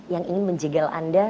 yang ingin menjegal anda